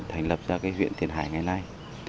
thành lập ra huyện tiền hải ngày nay